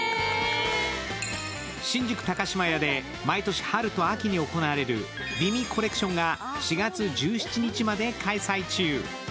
新宿高島屋で毎年春と秋に行われる美味コレクションが４月１７日まで開催中。